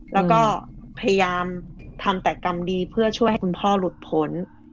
แล้วก็พยายามทำแต่กรรมดีเพื่อช่วยให้คุณพ่อหลุดผล